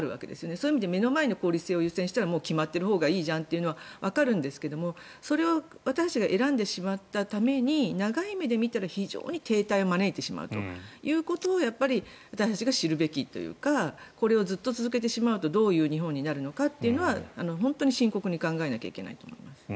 そういう意味で目の前の効率を優先したほうが決まっているほうがいいじゃんというのはわかるんですけどそれを私たちが選んでしまったために長い目で見たら非常に停滞を招いてしまうということを私たちが知るべきというかこれをずっと続けてしまうとどういう日本になるかは本当に深刻に考えなきゃいけないと思います。